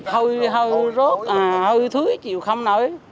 hơi rốt hơi thúi chịu không nổi